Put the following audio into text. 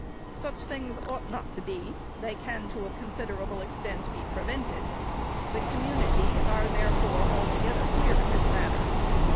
Such things ought not to be ; they can, to a con siderable extent, be prevented. The community are not, therefore, altogether clear in this matter.